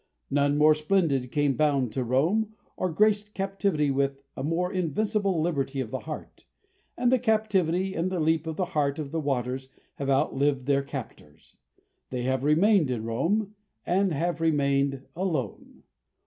None more splendid came bound to Rome, or graced captivity with a more invincible liberty of the heart. And the captivity and the leap of the heart of the waters have outlived their captors. They have remained in Rome, and have remained alone.